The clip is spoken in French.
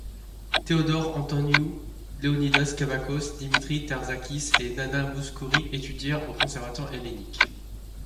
Theodore Antoniou, Leonidas Kavakos, Dimitri Terzakis et Nana Mouskouri étudièrent au conservatoire hellénique.